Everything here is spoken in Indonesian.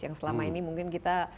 yang selama ini mungkin kita